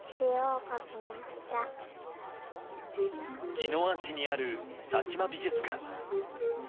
宜野湾市にある佐喜眞美術館。